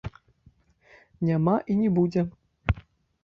Няма і не будзе.